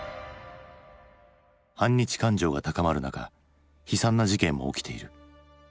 反日感情が高まる中悲惨な事件も起きている。